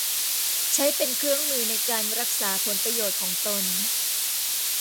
ใช้เป็นเครื่องมือในการรักษาผลประโยชน์ของตน